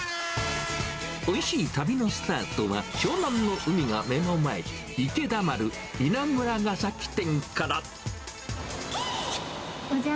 おいしい旅のスタートは、湘南の海が目の前、池田丸稲村ケ崎店から。